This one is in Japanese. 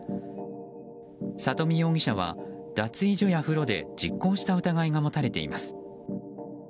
佐登美容疑者は脱衣所や風呂で実行した疑いが持たれています。